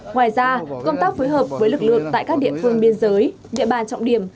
ngoài ra công tác phối hợp với lực lượng tại các địa phương biên giới địa bàn trọng điểm